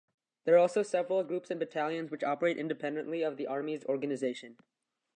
There are also several groups and battalions which operate independently of the army's organization.